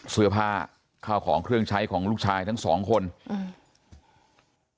เสื้อผ้าข้าวของเครื่องใช้ของลูกชายทั้งสองคนอืม